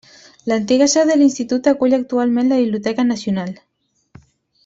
L'antiga seu de l'institut acull actualment la Biblioteca Nacional.